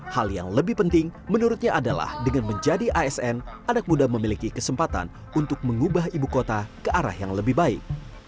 hal yang lebih penting menurutnya adalah dengan menjadi asn anak muda memiliki kesempatan untuk mengubah ibu kota ke arah yang lebih baik